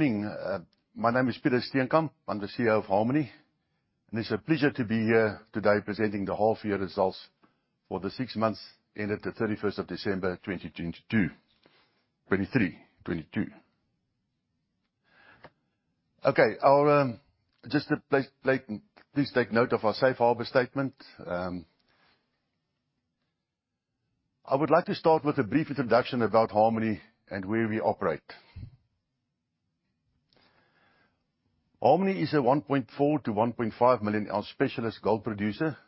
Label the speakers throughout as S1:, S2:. S1: Morning. My name is Peter Steenkamp. I'm the CEO of Harmony, it's a pleasure to be here today presenting the half-year results for the six months ended the 31st of December, 2022. 2023, 2022. Okay. I'll, like, please take note of our safe harbor statement. I would like to start with a brief introduction about Harmony and where we operate. Harmony is a 1.4 million-1.5 million ounce specialist gold producer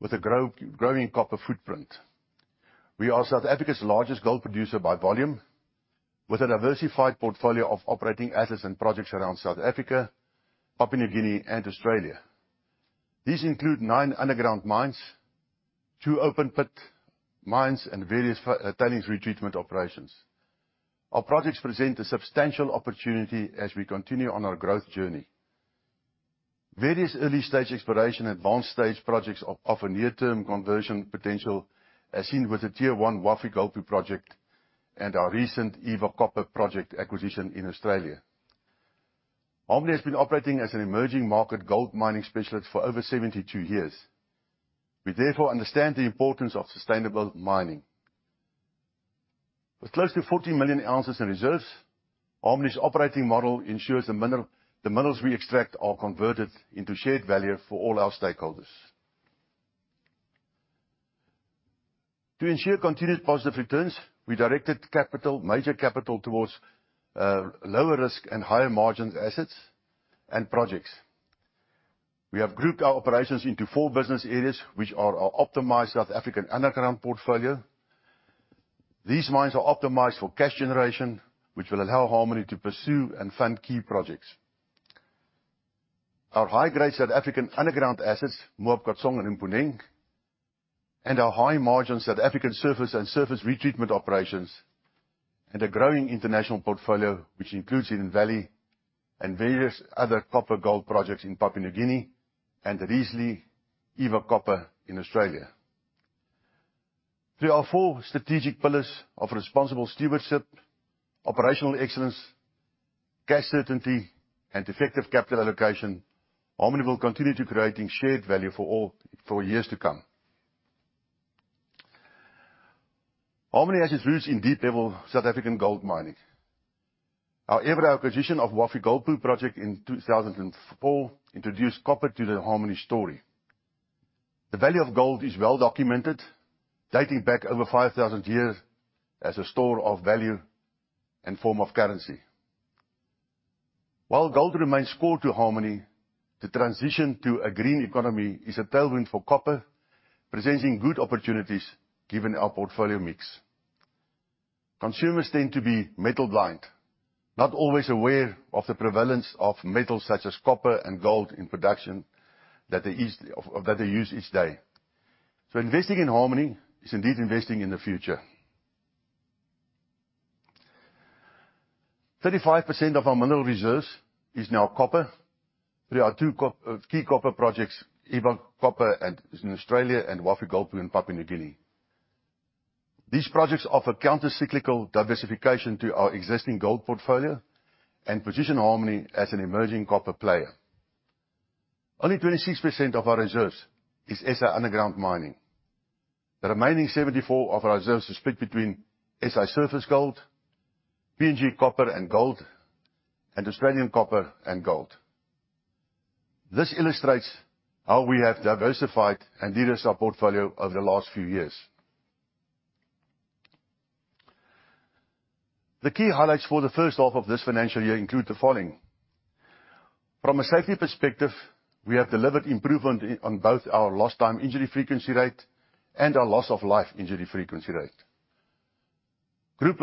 S1: with a growing copper footprint. We are South Africa's largest gold producer by volume, with a diversified portfolio of operating assets and projects around South Africa, Papua New Guinea, and Australia. These include nine underground mines, two open pit mines, and various tailings retreatment operations. Our projects present a substantial opportunity as we continue on our growth journey. Various early stage exploration, advanced stage projects of a near-term conversion potential, as seen with the tier one Wafi-Golpu project and our recent Eva Copper project acquisition in Australia. Harmony has been operating as an emerging market gold mining specialist for over 72 years. We therefore understand the importance of sustainable mining. With close to 40 million ounces in reserves, Harmony's operating model ensures the minerals we extract are converted into shared value for all our stakeholders. To ensure continued positive returns, we directed capital, major capital towards lower risk and higher margins, assets, and projects. We have grouped our operations into four business areas, which are our optimized South African underground portfolio. These mines are optimized for cash generation, which will allow Harmony to pursue and fund key projects. Our high-grade South African underground assets, Mupane and Mponeng, and our high margins South African surface and surface retreatment operations, and a growing international portfolio, which includes Hidden Valley and various other copper gold projects in Papua New Guinea and recently, Eva Copper in Australia. Through our four strategic pillars of responsible stewardship, operational excellence, cash certainty, and effective capital allocation, Harmony will continue to creating shared value for all for years to come. Harmony has its roots in deep-level South African gold mining. However, our acquisition of Wafi-Golpu project in 2004 introduced copper to the Harmony story. The value of gold is well documented, dating back over 5,000 years as a store of value and form of currency. While gold remains core to Harmony, the transition to a green economy is a tailwind for copper, presenting good opportunities given our portfolio mix. Consumers tend to be metal blind, not always aware of the prevalence of metals such as copper and gold in production that they use each day. Investing in Harmony is indeed investing in the future. 35% of our mineral reserves is now copper. Through our two key copper projects, Eva Copper and is in Australia and Wafi-Golpu in Papua New Guinea. These projects offer counter-cyclical diversification to our existing gold portfolio and position Harmony as an emerging copper player. Only 26% of our reserves is SA underground mining. The remaining 74 of our reserves is split between SI surface gold, PNG copper and gold, and Australian copper and gold. This illustrates how we have diversified and de-risked our portfolio over the last few years. The key highlights for the first half of this financial year include the following. From a safety perspective, we have delivered improvement on both our Lost Time Injury Frequency Rate and our Loss of Life Injury Frequency Rate. Group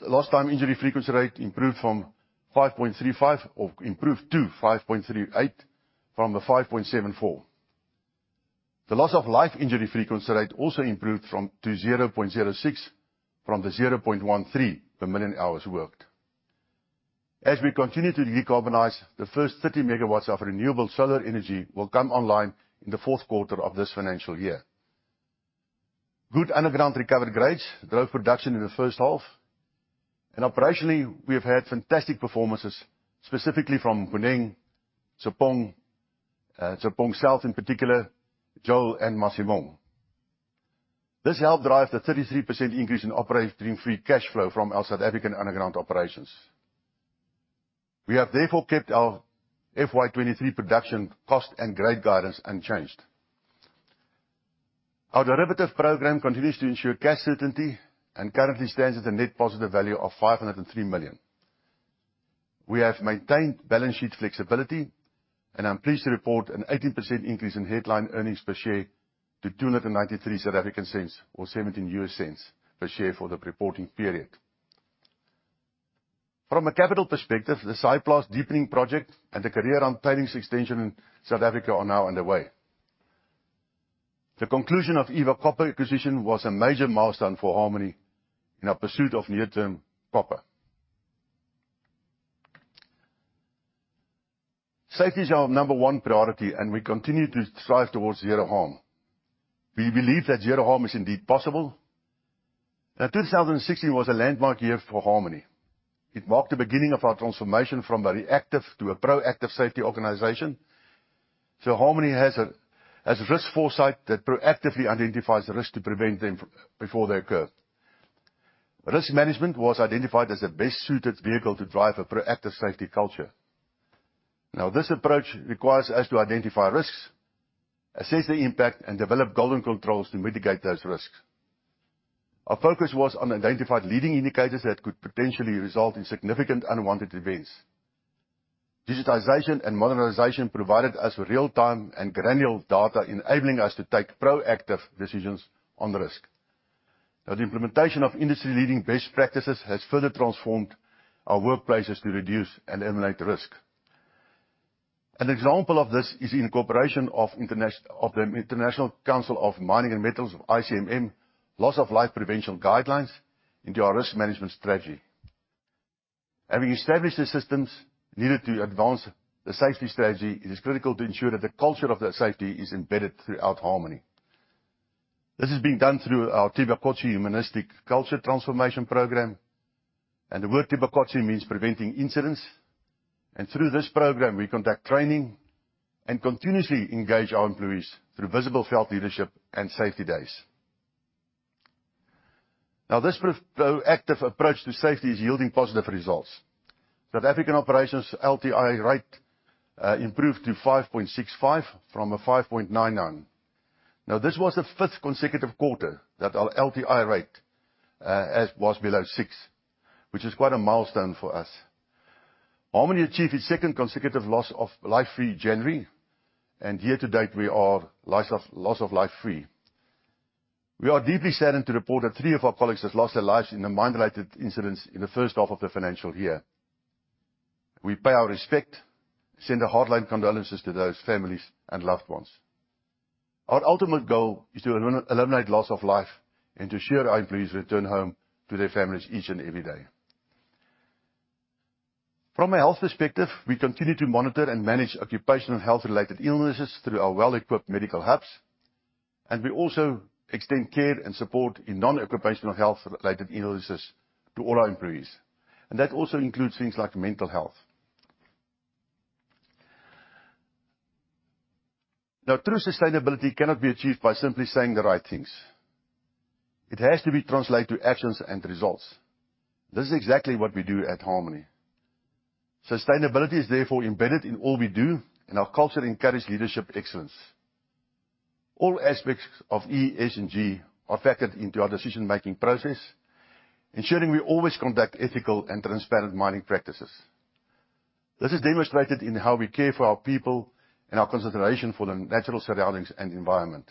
S1: Lost Time Injury Frequency Rate improved to 5.38 from the 5.74. The Loss of Life Injury Frequency Rate also improved to 0.06 from the 0.13 per million hours worked. As we continue to decarbonize, the first 30 MW of renewable solar energy will come online in the fourth quarter of this financial year. Good underground recovery grades drove production in the first half. Operationally, we have had fantastic performances, specifically from Mponeng, TauTona South in particular, Joel, and Masimong. This helped drive the 33% increase in Operating free cash flow from our South African underground operations. We have therefore kept our FY23 production cost and grade guidance unchanged. Our derivative program continues to ensure cash certainty and currently stands at a net positive value of 503 million. We have maintained balance sheet flexibility. I'm pleased to report an 18% increase in headline earnings per share to 2.93 or $0.17 per share for the reporting period. From a capital perspective, the Saaiplaas deepening project and the Kareerand tailings extension in South Africa are now underway. The conclusion of Eva Copper acquisition was a major milestone for Harmony in our pursuit of near-term copper. Safety is our number one priority. We continue to strive towards zero harm. We believe that zero harm is indeed possible. 2016 was a landmark year for Harmony. It marked the beginning of our transformation from a reactive to a proactive safety organization. Harmony has a risk foresight that proactively identifies the risk to prevent them before they occur. Risk management was identified as the best-suited vehicle to drive a proactive safety culture. This approach requires us to identify risks, assess the impact, and develop golden controls to mitigate those risks. Our focus was on identified leading indicators that could potentially result in significant unwanted events. Digitization and modernization provided us real-time and granular data, enabling us to take proactive decisions on the risk. The implementation of industry-leading best practices has further transformed our workplaces to reduce and eliminate risk. An example of this is the incorporation of the International Council of Mining and Metals, ICMM, Loss of Life Prevention Guidelines into our risk management strategy. Having established the systems needed to advance the safety strategy, it is critical to ensure that the culture of that safety is embedded throughout Harmony. This is being done through our Thibakotsi humanistic culture transformation program, the word Thibakotsi means preventing incidents. Through this program, we conduct training and continuously engage our employees through visible felt leadership and safety days. Now, this proactive approach to safety is yielding positive results. South African operations LTI rate improved to 5.65 from a 5.99. Now, this was the fifth consecutive quarter that our LTI rate was below six, which is quite a milestone for us. Harmony achieved its second consecutive loss of life-free January, year to date we are loss of life-free. We are deeply saddened to report that three of our colleagues has lost their lives in the mine-related incidents in the first half of the financial year. We pay our respect, send a hotline condolences to those families and loved ones. Our ultimate goal is to eliminate loss of life and to ensure our employees return home to their families each and every day. From a health perspective, we continue to monitor and manage occupational health-related illnesses through our well-equipped medical hubs. We also extend care and support in non-occupational health-related illnesses to all our employees. That also includes things like mental health. True sustainability cannot be achieved by simply saying the right things. It has to be translated to actions and results. This is exactly what we do at Harmony. Sustainability is therefore embedded in all we do. Our culture encourage leadership excellence. All aspects of ESG are factored into our decision-making process, ensuring we always conduct ethical and transparent mining practices. This is demonstrated in how we care for our people and our consideration for the natural surroundings and environment.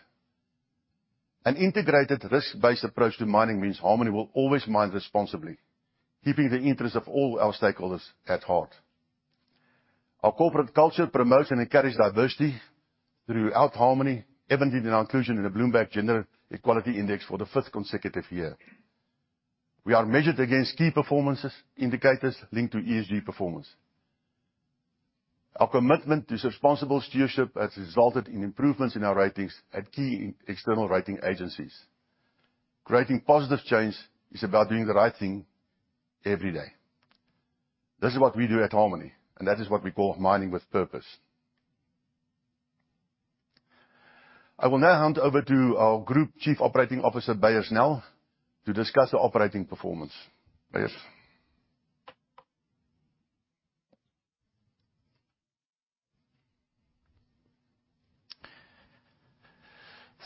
S1: An integrated risk-based approach to mining means Harmony will always mine responsibly, keeping the interests of all our stakeholders at heart. Our corporate culture promotes and encourages diversity throughout Harmony, evident in our inclusion in the Bloomberg Gender-Equality Index for the fifth consecutive year. We are measured against key performances indicators linked to ESG performance. Our commitment to responsible stewardship has resulted in improvements in our ratings at key external rating agencies. Creating positive change is about doing the right thing every day. This is what we do at Harmony, and that is what we call mining with purpose. I will now hand over to our Group Chief Operating Officer, Beyers Nel, to discuss the operating performance. Beyers?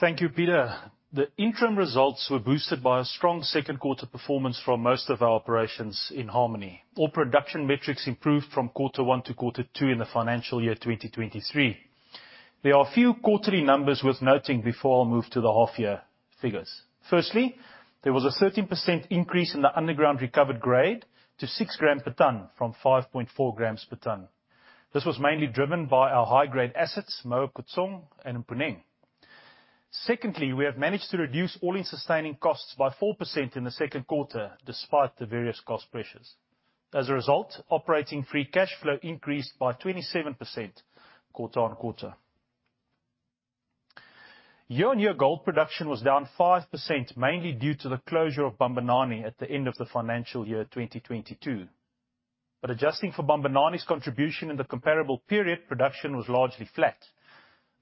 S2: Thank you, Peter. The interim results were boosted by a strong second quarter performance from most of our operations in Harmony. All production metrics improved from quarter one to quarter two in the financial year 2023. There are a few quarterly numbers worth noting before I move to the half year figures. Firstly, there was a 13% increase in the underground recovered grade to six gram per ton from 5.4 grams per ton. This was mainly driven by our high grade assets, Moab Khotsong and Mponeng. Secondly, we have managed to reduce All-in sustaining costs by 4% in the second quarter, despite the various cost pressures. As a result, Operating free cash flow increased by 27% quarter-on-quarter. Year-on-year gold production was down 5%, mainly due to the closure of Bambanani at the end of the financial year 2022. Adjusting for Bambanani's contribution in the comparable period, production was largely flat.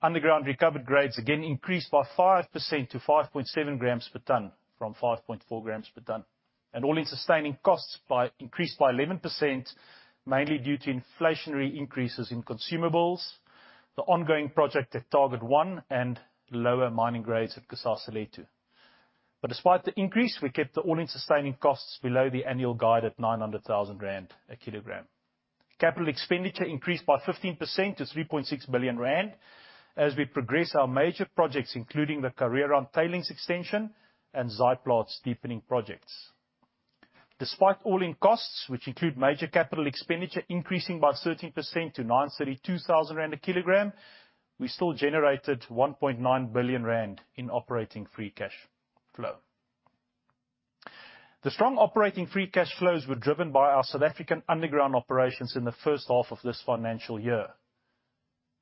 S2: Underground recovered grades again increased by 5% to 5.7 g/t from 5.4 g/t. All-in sustaining costs increased by 11%, mainly due to inflationary increases in consumables, the ongoing project at Target One, and lower mining grades at Kusasalethu. Despite the increase, we kept the All-in sustaining costs below the annual guide at 900,000 rand a kilogram. Capital expenditure increased by 15% to 3.6 billion rand as we progress our major projects, including the Kareerand tailings extension and Zaaiplaats deepening projects. Despite all-in costs, which include major capital expenditure increasing by 13% to 932,000 rand a kilogram, we still generated 1.9 billion rand in operating free cash flow. The strong operating free cash flows were driven by our South African underground operations in the first half of this financial year.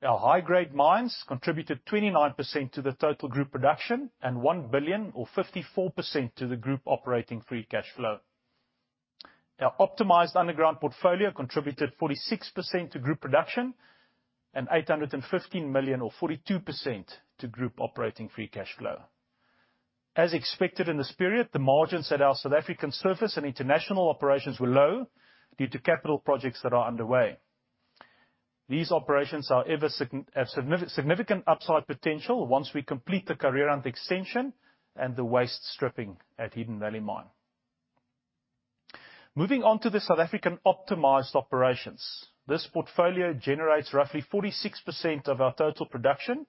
S2: Our high-grade mines contributed 29% to the total group production and 1 billion or 54% to the group operating free cash flow. Our optimized underground portfolio contributed 46% to group production and 815 million or 42% to group operating free cash flow. As expected in this period, the margins at our South African surface and international operations were low due to capital projects that are underway. These operations have significant upside potential once we complete the Kareerand extension and the waste stripping at Hidden Valley Mine. Moving on to the South African optimized operations. This portfolio generates roughly 46% of our total production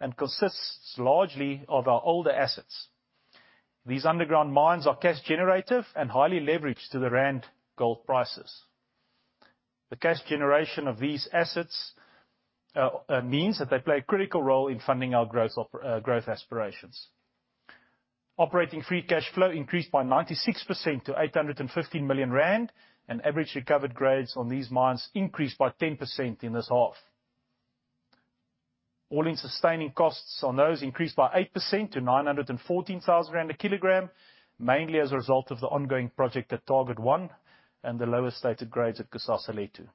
S2: and consists largely of our older assets. These underground mines are cash generative and highly leveraged to the rand gold prices. The cash generation of these assets means that they play a critical role in funding our growth aspirations. Operating free cash flow increased by 96% to 815 million rand, and average recovered grades on these mines increased by 10% in this half. All-in sustaining costs on those increased by 8% to 914,000 rand a kilogram, mainly as a result of the ongoing project at Target One and the lower stated grades at Kusasalethu.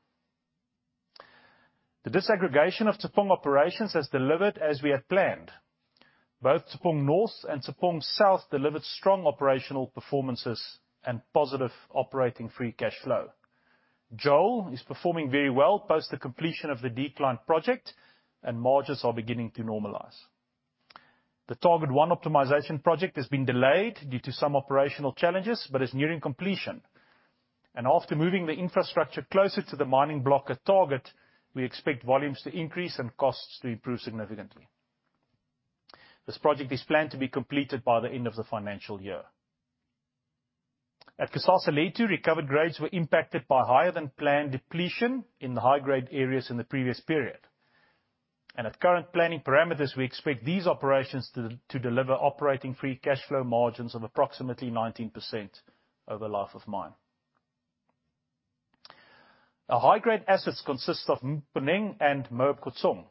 S2: The disaggregation of Tshepong operations has delivered as we had planned. Both Tshepong North and Tshepong South delivered strong operational performances and positive operating free cash flow. Joel is performing very well post the completion of the decline project, and margins are beginning to normalize. The Target One optimization project has been delayed due to some operational challenges, but is nearing completion. After moving the infrastructure closer to the mining block at Target, we expect volumes to increase and costs to improve significantly. This project is planned to be completed by the end of the financial year. At Kusasalethu, recovered grades were impacted by higher than planned depletion in the high-grade areas in the previous period. At current planning parameters, we expect these operations to deliver operating free cash flow margins of approximately 19% over the life of mine. Our high-grade assets consist of Mponeng and Moab Khotsong.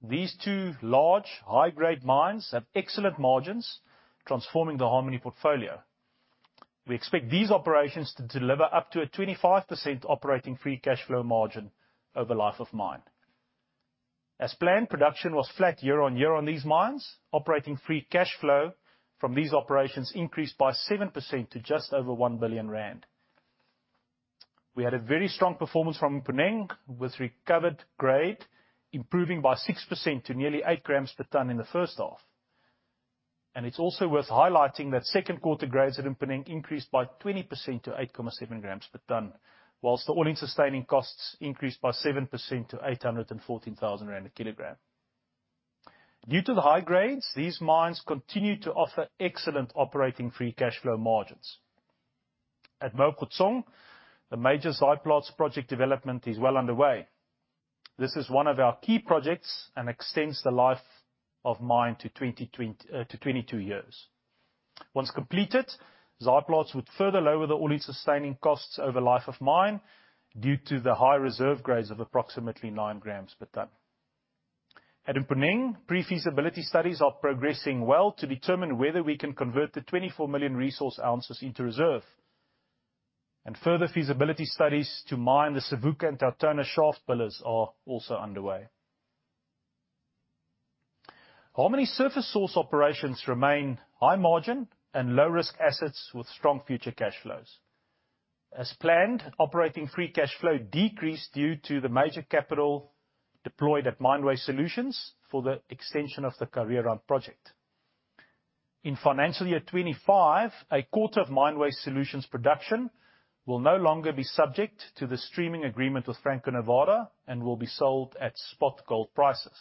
S2: These two large high-grade mines have excellent margins, transforming the Harmony portfolio. We expect these operations to deliver up to a 25% operating free cash flow margin over the life of mine. As planned, production was flat year-on-year on these mines. Operating free cash flow from these operations increased by 7% to just over 1 billion rand. We had a very strong performance from Mponeng, with recovered grade improving by 6% to nearly eight grams per ton in the first half. It's also worth highlighting that second quarter grades at Mponeng increased by 20% to 8.7 grams per ton, whilst the all-in sustaining costs increased by 7% to 814,000 rand a kilogram. Due to the high grades, these mines continue to offer excellent operating free cash flow margins. At Moab Khotsong, the major Zuidplat project development is well underway. This is one of our key projects and extends the life of mine to 22 years. Once completed, Zuidplat would further lower the All-in sustaining costs over life of mine due to the high reserve grades of approximately nine grams per ton. At Mponeng, pre-feasibility studies are progressing well to determine whether we can convert the 24 million resource ounces into reserve. Further feasibility studies to mine the Savuka and TauTona shaft pillars are also underway. Harmony surface source operations remain high margin and low risk assets with strong future cash flows. As planned, operating free cash flow decreased due to the major capital deployed at Mine Waste Solutions for the extension of the Kareerand project. In financial year 25, a quarter of Mine Waste Solutions production will no longer be subject to the streaming agreement with Franco-Nevada and will be sold at spot gold prices.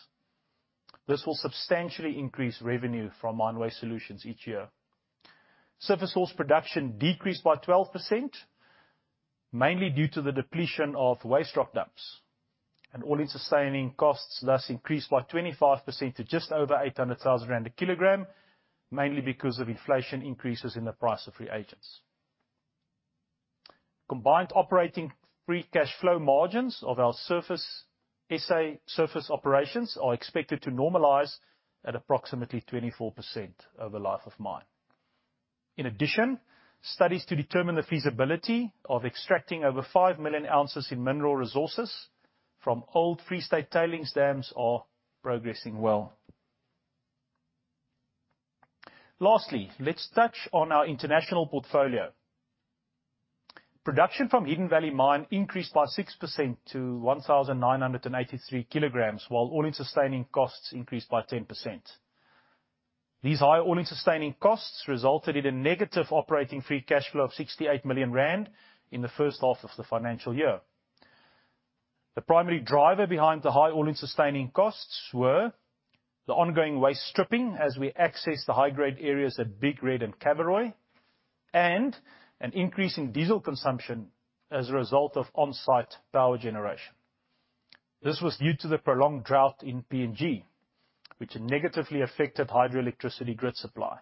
S2: This will substantially increase revenue from Mine Waste Solutions each year. Surface source production decreased by 12%, mainly due to the depletion of waste rock dumps, and all-in sustaining costs thus increased by 25% to just over 800,000 rand a kilogram, mainly because of inflation increases in the price of reagents. Combined operating free cash flow margins of our surface, SA surface operations are expected to normalize at approximately 24% over the life of mine. In addition, studies to determine the feasibility of extracting over 5 million ounces in mineral resources from old Free State tailings dams are progressing well. Lastly, let's touch on our international portfolio. Production from Hidden Valley increased by 6% to 1,983 kg, while all-in sustaining costs increased by 10%. These high all-in sustaining costs resulted in a negative operating free cash flow of 68 million rand in the first half of the financial year. The primary driver behind the high all-in sustaining costs were the ongoing waste stripping as we access the high-grade areas at Big Red and Kaveroi, and an increase in diesel consumption as a result of on-site power generation. This was due to the prolonged drought in PNG, which negatively affected hydroelectricity grid supply.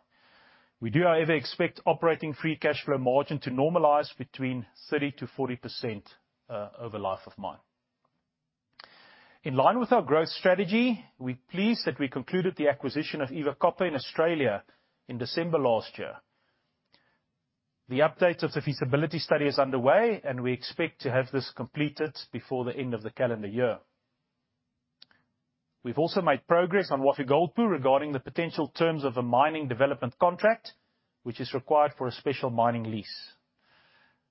S2: We do, however, expect operating free cash flow margin to normalize between 30%-40% over life of mine. In line with our growth strategy, we're pleased that we concluded the acquisition of Eva Copper in Australia in December last year. The update of the feasibility study is underway, and we expect to have this completed before the end of the calendar year. We've also made progress on Wafi-Golpu regarding the potential terms of the Mining Development Contract, which is required for a Special Mining Lease.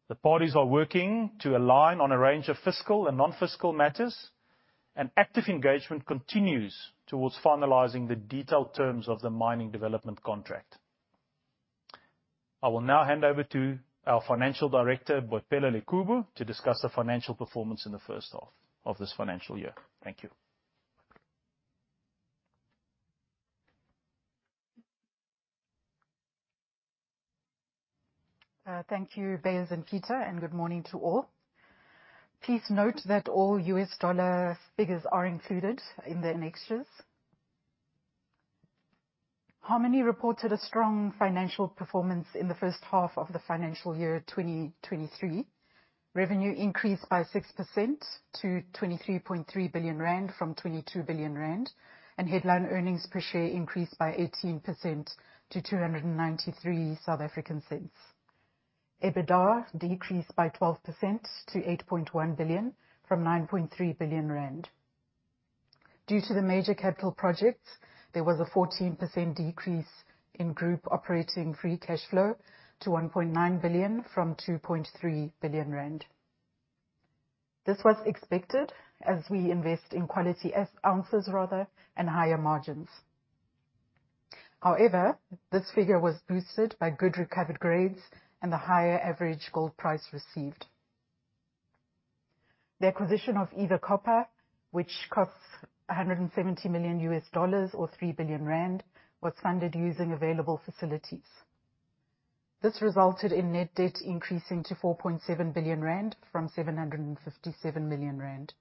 S2: The parties are working to align on a range of fiscal and non-fiscal matters, and active engagement continues towards finalizing the detailed terms of the Mining Development Contract. I will now hand over to our Financial Director, Boipelo Lekubo, to discuss the financial performance in the first half of this financial year. Thank you.
S3: Thank you, Beyersand Peter, good morning to all. Please note that all U.S. dollar figures are included in the annexures. Harmony reported a strong financial performance in the first half of the financial year of 2023. Revenue increased by 6% to 23.3 billion rand from 22 billion rand, and headline earnings per share increased by 18% to 2.93. EBITDA decreased by 12% to 8.1 billion from 9.3 billion rand. Due to the major capital projects, there was a 14% decrease in group operating free cash flow to 1.9 billion from 2.3 billion rand. This was expected as we invest in quality ounces rather and higher margins. However, this figure was boosted by good recovered grades and the higher average gold price received. The acquisition of Eva Copper, which cost $170 million or 3 billion rand, was funded using available facilities. This resulted in net debt increasing to 4.7 billion rand from 757 million rand.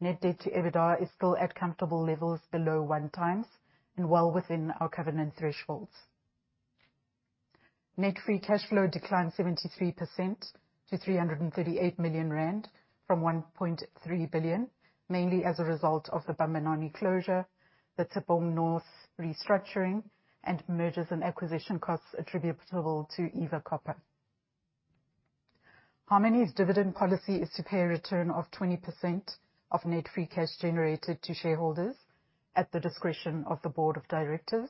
S3: Net Debt to EBITDA is still at comfortable levels below one times and well within our covenant thresholds. Net free cash flow declined 73% to 338 million rand from 1.3 billion, mainly as a result of the Bambanani closure, the Tshepong North restructuring, and mergers and acquisition costs attributable to Eva Copper. Harmony's dividend policy is to pay a return of 20% of net free cash generated to shareholders at the discretion of the board of directors.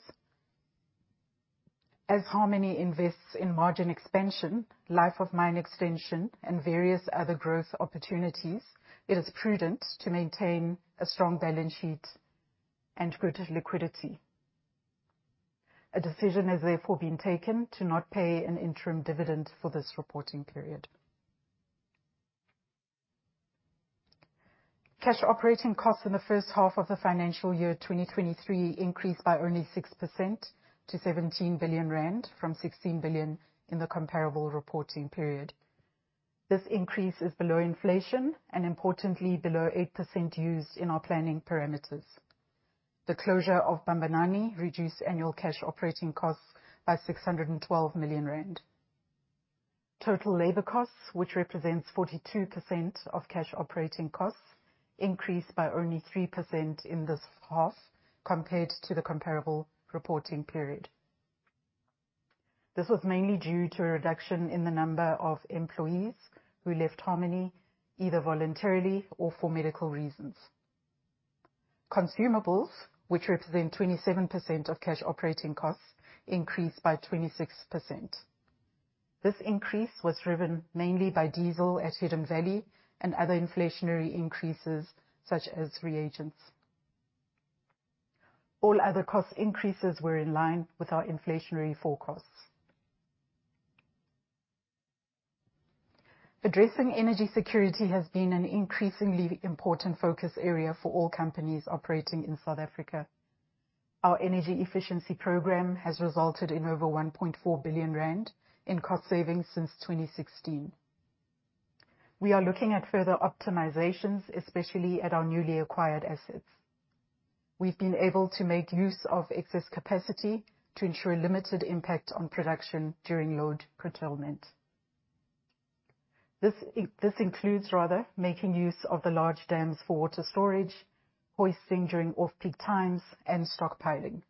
S3: As Harmony invests in margin expansion, life of mine extension, and various other growth opportunities, it is prudent to maintain a strong balance sheet and good liquidity. A decision has therefore been taken to not pay an interim dividend for this reporting period. Cash operating costs in the first half of the financial year 2023 increased by only 6% to 17 billion rand from 16 billion in the comparable reporting period. This increase is below inflation and importantly, below 8% used in our planning parameters. The closure of Bambanani reduced annual cash operating costs by 612 million rand. Total labor costs, which represents 42% of cash operating costs, increased by only 3% in this half compared to the comparable reporting period. This was mainly due to a reduction in the number of employees who left Harmony, either voluntarily or for medical reasons. Consumables, which represent 27% of cash operating costs, increased by 26%. This increase was driven mainly by diesel at Hidden Valley and other inflationary increases such as reagents. All other cost increases were in line with our inflationary forecasts. Addressing energy security has been an increasingly important focus area for all companies operating in South Africa. Our energy efficiency program has resulted in over 1.4 billion rand in cost savings since 2016. We are looking at further optimizations, especially at our newly acquired assets. We've been able to make use of excess capacity to ensure limited impact on production during load curtailment. This includes rather making use of the large dams for water storage, hoisting during off-peak times, and stockpiling.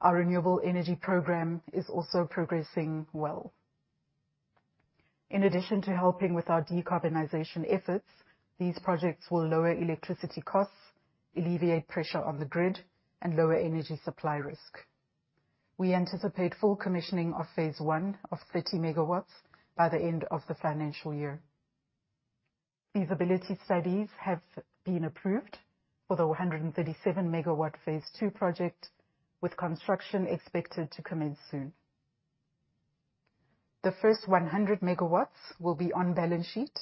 S3: Our renewable energy program is also progressing well. In addition to helping with our decarbonization efforts, these projects will lower electricity costs, alleviate pressure on the grid, and lower energy supply risk. We anticipate full commissioning of phase I of 30 MW by the end of the financial year. Feasibility studies have been approved for the 137 MW phase II project, with construction expected to commence soon. The first 100 MW will be on balance sheet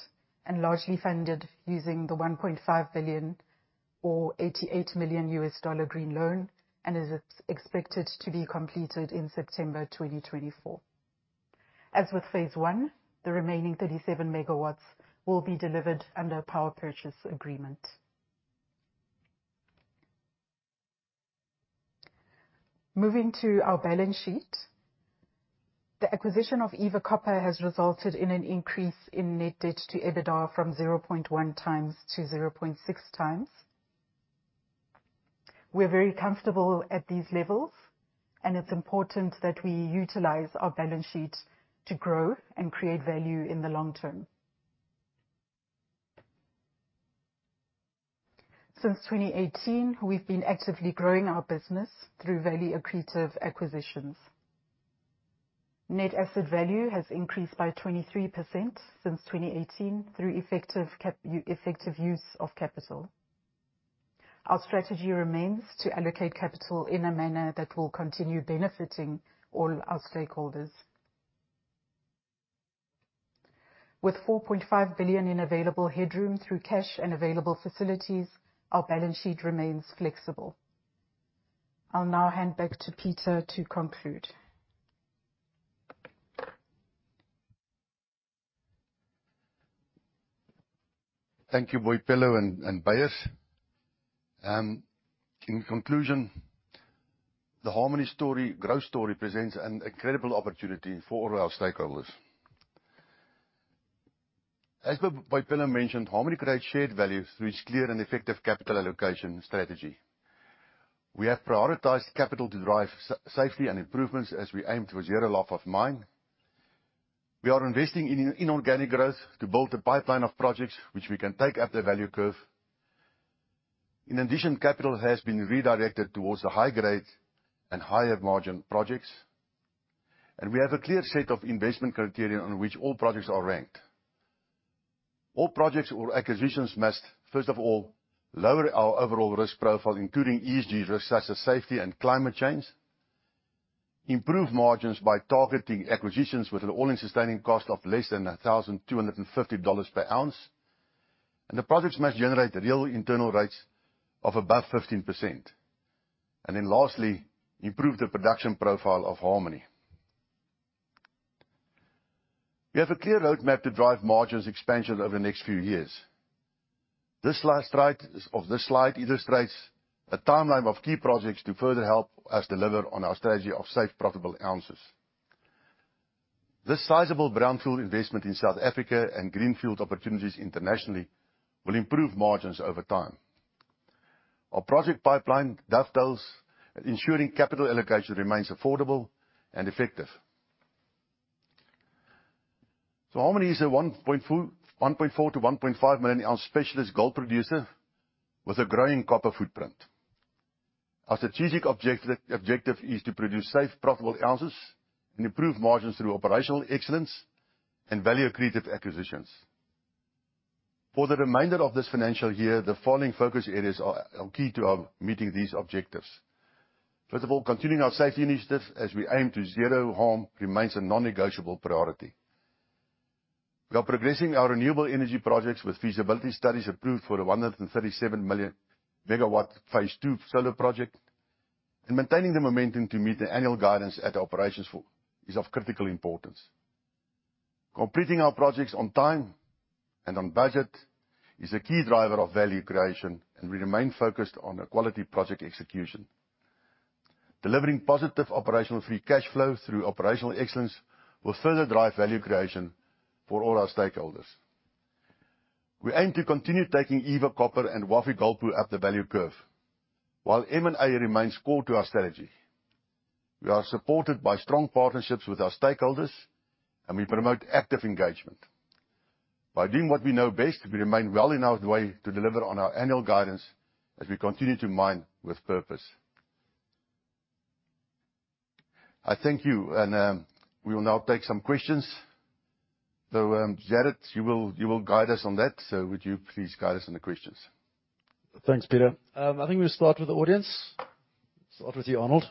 S3: and largely funded using the $1.5 billion or $88 million US dollar green loan and is expected to be completed in September 2024. As with phase I, the remaining 37 MW will be delivered under a power purchase agreement. Moving to our balance sheet. The acquisition of Eva Copper has resulted in an increase in Net Debt to EBITDA from 0.1 times to 0.6 times. We're very comfortable at these levels, and it's important that we utilize our balance sheet to grow and create value in the long term. Since 2018, we've been actively growing our business through very accretive acquisitions. Net asset value has increased by 23% since 2018 through effective use of capital. Our strategy remains to allocate capital in a manner that will continue benefiting all our stakeholders. With 4.5 billion in available headroom through cash and available facilities, our balance sheet remains flexible. I'll now hand back to Peter to conclude.
S1: Thank you, Boipelo and Beyers. In conclusion, the Harmony story, growth story presents an incredible opportunity for all our stakeholders. As Boipelo mentioned, Harmony creates shared value through its clear and effective capital allocation strategy. We have prioritized capital to drive safety and improvements as we aim towards zero loss of mine. We are investing in inorganic growth to build a pipeline of projects which we can take up the value curve. Capital has been redirected towards the high-grade and higher margin projects, and we have a clear set of investment criteria on which all projects are ranked. All projects or acquisitions must, first of all, lower our overall risk profile, including ESG risk, such as safety and climate change. Improve margins by targeting acquisitions with an all-in sustaining cost of less than $1,250 per ounce. The projects must generate real internal rates of above 15%. Lastly, improve the production profile of Harmony. We have a clear roadmap to drive margins expansion over the next few years. This slide illustrates a timeline of key projects to further help us deliver on our strategy of safe, profitable ounces. This sizable brownfield investment in South Africa and greenfield opportunities internationally will improve margins over time. Our project pipeline dovetails ensuring capital allocation remains affordable and effective. Harmony is a 1.4 to 1.5 million ounce specialist gold producer with a growing copper footprint. Our strategic objective is to produce safe, profitable ounces and improve margins through operational excellence and value-accretive acquisitions. For the remainder of this financial year, the following focus areas are key to our meeting these objectives. Continuing our safety initiatives as we aim to zero harm remains a non-negotiable priority. We are progressing our renewable energy projects with feasibility studies approved for the 137 million MW phase II solar project, maintaining the momentum to meet the annual guidance at operations for is of critical importance. Completing our projects on time and on budget is a key driver of value creation, and we remain focused on a quality project execution. Delivering positive Operating free cash flow through operational excellence will further drive value creation for all our stakeholders. We aim to continue taking Eva Copper and Wafi Gold up the value curve, while M&A remains core to our strategy. We are supported by strong partnerships with our stakeholders, and we promote active engagement. By doing what we know best, we remain well in our way to deliver on our annual guidance as we continue to mine with purpose. I thank you and we will now take some questions. Jared, you will guide us on that, so would you please guide us on the questions?
S4: Thanks, Peter. I think we'll start with the audience. Start with you, Arnold.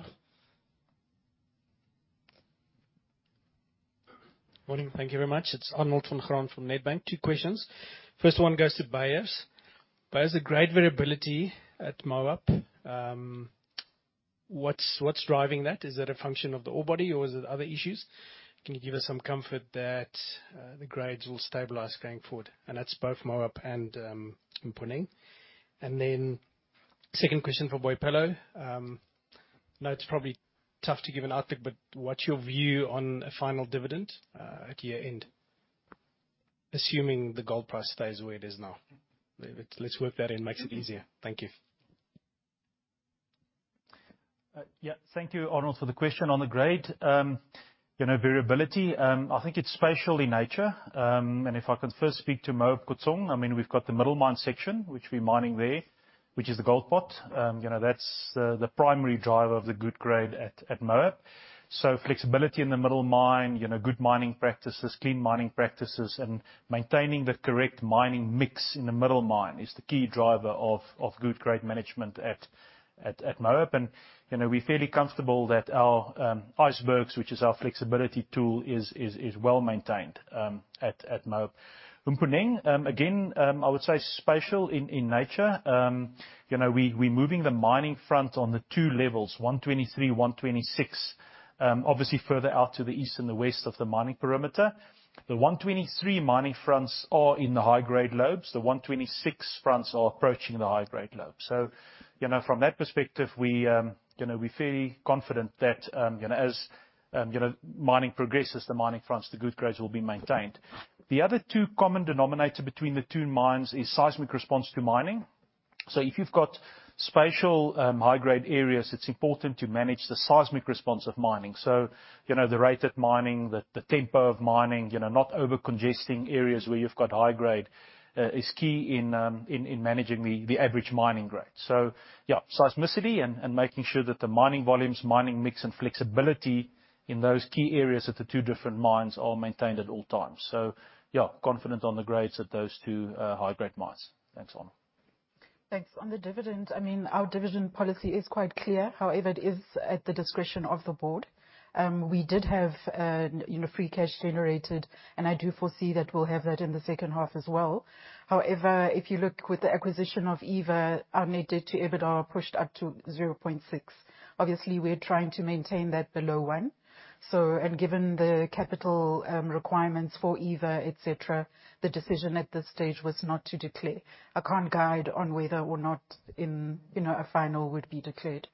S5: Morning. Thank you very much. It's Arnold van Graan from Nedbank. Two questions. First one goes to Beyers. Beyers, the grade variability at Moab, what's driving that? Is that a function of the ore body or is it other issues? Can you give us some comfort that the grades will stabilize going forward? That's both Moab and Mponeng. Second question for Boipelo. I know it's probably tough to give an outlook, but what's your view on a final dividend at year-end, assuming the gold price stays where it is now? Let's work that in, makes it easier. Thank you.
S2: Yeah. Thank you, Arnold, for the question on the grade. You know, variability, I think it's spatial in nature. If I can first speak to Moab Khotsong, I mean, we've got the middle mine section which we're mining there, which is the gold pot. You know, that's the primary driver of the good grade at Moab. Flexibility in the middle mine, you know, good mining practices, clean mining practices, and maintaining the correct mining mix in the middle mine is the key driver of good grade management at Moab. You know, we're fairly comfortable that our icebergs, which is our flexibility tool, is well-maintained at Moab. Mponeng, again, I would say spatial in nature. You know, we're moving the mining front on the two levels, 123, 126. Obviously further out to the east and the west of the mining perimeter. The 123 mining fronts are in the high-grade lobes. The 126 fronts are approaching the high-grade lobe. You know, from that perspective, we, you know, we're fairly confident that, you know, as, you know, mining progresses, the mining fronts, the good grades will be maintained. The other two common denominator between the two mines is seismic response to mining. If you've got spatial, high-grade areas, it's important to manage the seismic response of mining. You know, the rate at mining, the tempo of mining, you know, not over congesting areas where you've got high grade, is key in, in managing the average mining grade. Seismicity and making sure that the mining volumes, mining mix and flexibility in those key areas at the two different mines are maintained at all times. Confident on the grades at those two high-grade mines. Thanks, [unadible].
S3: Thanks. On the dividend, I mean, our dividend policy is quite clear. It is at the discretion of the board. We did have, you know, free cash generated, and I do foresee that we'll have that in the second half as well. If you look with the acquisition of Eva, our Net Debt to EBITDA pushed up to 0.6. Obviously, we're trying to maintain that below one. Given the capital, requirements for Eva, et cetera, the decision at this stage was not to declare. I can't guide on whether or not in, you know, a final would be declared.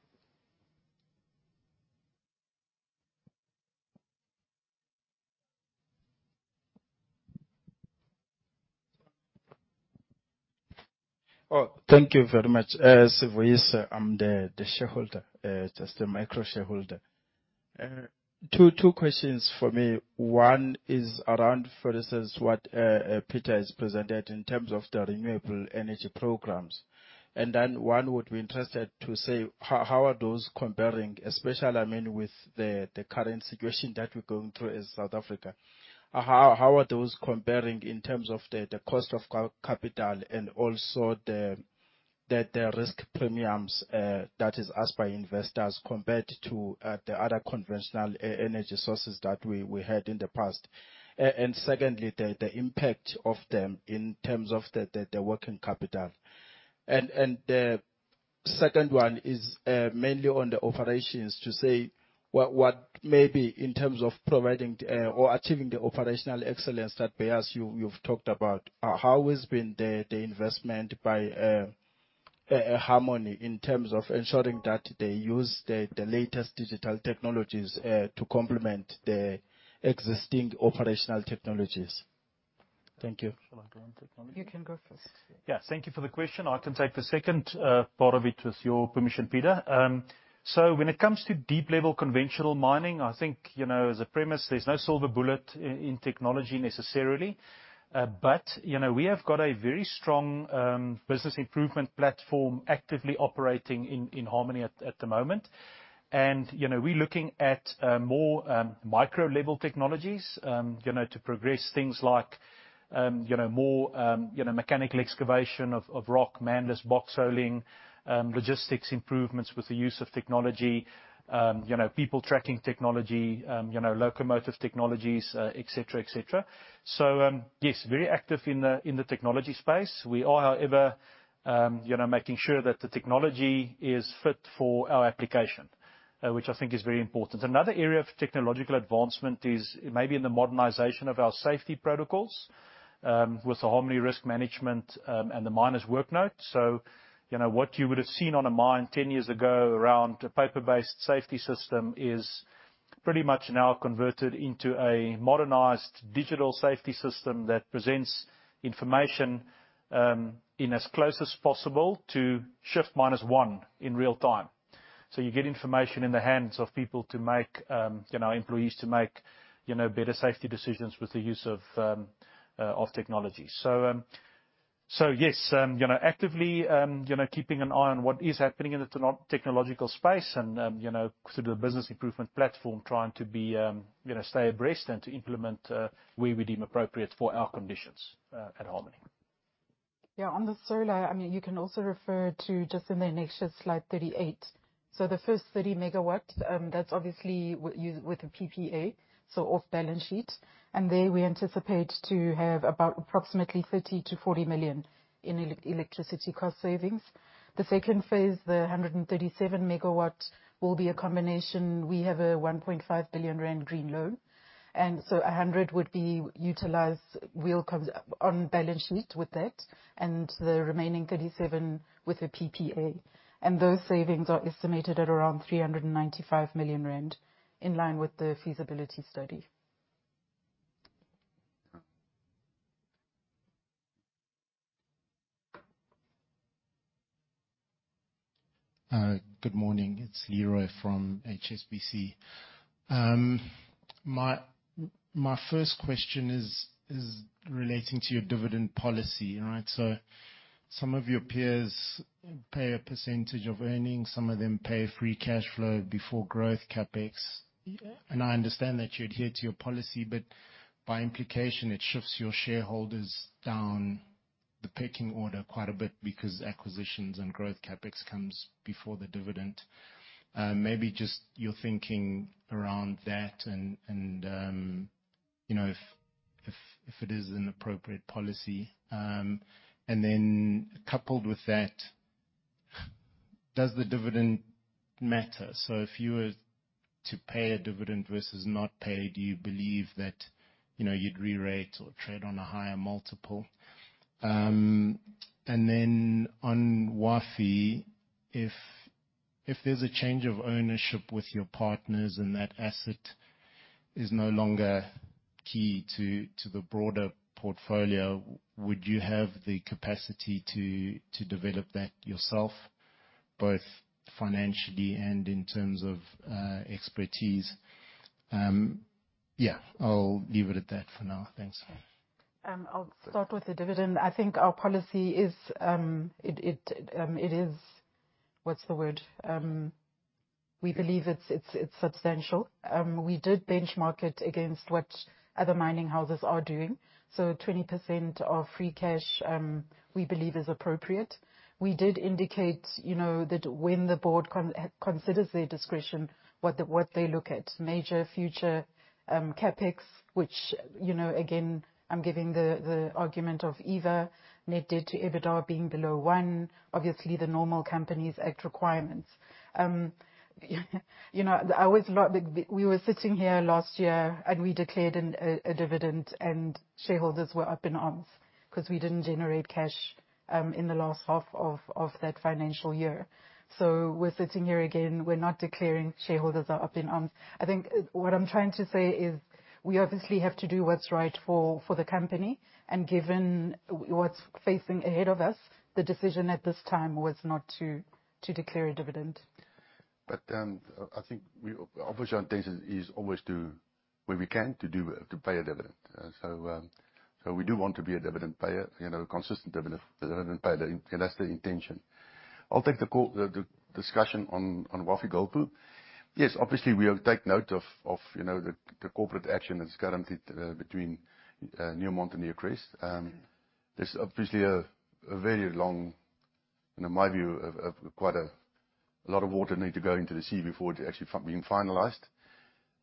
S6: Oh, thank you very much. Sivoisa, I'm the shareholder, just a micro shareholder. Two questions for me. One is around, for instance, what Peter has presented in terms of the renewable energy programs. Then one would be interested to say, how are those comparing, especially, I mean, with the current situation that we're going through in South Africa? How are those comparing in terms of the cost of capital and also the risk premiums that is asked by investors compared to the other conventional energy sources that we had in the past? Secondly, the impact of them in terms of the working capital? The second one is, mainly on the operations to say, what may be in terms of providing, or achieving the operational excellence that perhaps you've talked about, how has been the investment by Harmony in terms of ensuring that they use the latest digital technologies, to complement the existing operational technologies? Thank you.
S2: Shall I go on technology?
S3: You can go first.
S2: Thank you for the question. I can take the second part of it with your permission, Peter. When it comes to deep level conventional mining, I think, you know, as a premise, there's no silver bullet in technology necessarily. But, you know, we have got a very strong business improvement platform actively operating in Harmony at the moment. You know, we're looking at more micro level technologies, you know, to progress things like, you know, more, you know, mechanical excavation of rock, manless box hauling, logistics improvements with the use of technology, you know, people tracking technology, you know, locomotive technologies, et cetera, et cetera. Yes, very active in the technology space. We are, however, you know, making sure that the technology is fit for our application, which I think is very important. Another area of technological advancement is maybe in the modernization of our safety protocols, with the Harmony risk management, and the miners work note. You know, what you would have seen on a mine 10 years ago around a paper-based safety system is pretty much now converted into a modernized digital safety system that presents information in as close as possible to shift minus one in real time. You get information in the hands of people to make, you know, employees to make, you know, better safety decisions with the use of technology. Yes, you know, actively, you know, keeping an eye on what is happening in the technological space and, you know, through the business improvement platform, trying to be, you know, stay abreast and to implement, where we deem appropriate for our conditions, at Harmony.
S3: Yeah. On the solar, I mean, you can also refer to just in the next slide, 38. The first 30 MW, that's obviously with a PPA, so off balance sheet. There we anticipate to have about approximately 30 million-40 million in electricity cost savings. The second phase, the 137 MW will be a combination. We have a 1.5 billion rand green loan, a 100 would be utilized wheel comes on balance sheet with that, and the remaining 37 with a PPA. Those savings are estimated at around 395 million rand, in line with the feasibility study.
S7: Good morning. It's Leroy from HSBC. My first question is relating to your dividend policy, right? Some of your peers pay a percentage of earnings, some of them pay free cash flow before growth CapEx.
S3: Yeah.
S7: I understand that you adhere to your policy, but by implication, it shifts your shareholders down the pecking order quite a bit because acquisitions and growth CapEx comes before the dividend. Maybe just your thinking around that and, you know, if, if it is an appropriate policy. Coupled with that. Does the dividend matter? If you were to pay a dividend versus not pay, do you believe that, you know, you'd rerate or trade on a higher multiple? On Wafi, if there's a change of ownership with your partners and that asset is no longer key to the broader portfolio, would you have the capacity to develop that yourself, both financially and in terms of, expertise? Yeah, I'll leave it at that for now. Thanks.
S3: I'll start with the dividend. I think our policy is... What's the word? We believe it's substantial. We did benchmark it against what other mining houses are doing. 20% of free cash, we believe is appropriate. We did indicate, you know, that when the board considers their discretion, what they look at, major future CapEx, which, you know, again, I'm giving the argument of either Net Debt to EBITDA being below 1, obviously the normal Companies Act requirements. You know, We were sitting here last year, and we declared a dividend, and shareholders were up in arms because we didn't generate cash in the last half of that financial year. We're sitting here again. We're not declaring. Shareholders are up in arms. I think what I'm trying to say is we obviously have to do what's right for the company. Given what's facing ahead of us, the decision at this time was not to declare a dividend.
S1: I think obviously our intention is always to, where we can, to do, to pay a dividend. We do want to be a dividend payer, you know, consistent dividend payer. That's the intention. I'll take the call, the discussion on Wafi-Golpu. Yes, obviously, we'll take note of, you know, the corporate action that's currently between Newmont and Newcrest. There's obviously a very long, in my view, of quite a lot of water need to go into the sea before it actually being finalized.